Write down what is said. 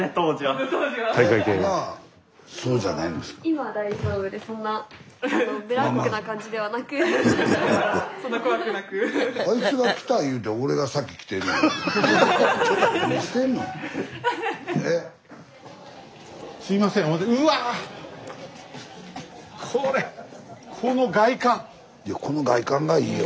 スタジオいやこの外観がいいよ。